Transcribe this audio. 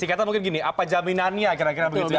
dikatakan mungkin gini apa jaminannya kira kira begitu ya